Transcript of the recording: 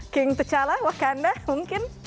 king t'challa wakanda mungkin